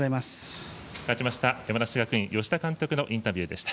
勝ちました、山梨学院吉田監督のインタビューでした。